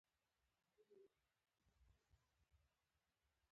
پولنډي متل وایي رښتیا ویل ډېرې خبرې نه غواړي.